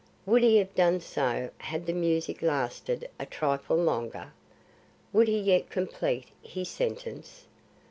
Would he have done so had the music lasted a trifle longer? Would he yet complete his sentence?